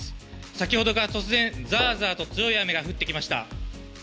先ほどから突然、ざーざーと強い雨が降ってきました。